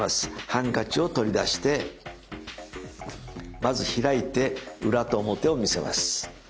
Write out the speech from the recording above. ハンカチを取り出してまず開いて裏と表を見せます。